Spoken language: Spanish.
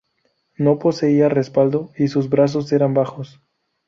No poseía respaldo y sus brazos eran bajos.